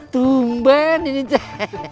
tumban ini cak